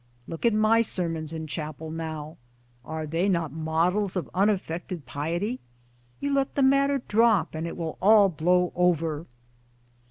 Look at my sermons in chapel now are they not models of unaffected piety ! You let the matter drop, and it will all blow over."